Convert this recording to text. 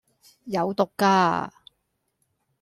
有毒㗎